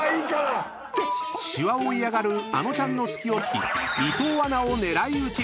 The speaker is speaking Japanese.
［シワを嫌がるあのちゃんの隙を突き伊藤アナを狙い撃ち］